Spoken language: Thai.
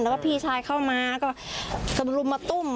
แล้วก็พี่ชายเข้ามาก็มารุมมาตุ้ม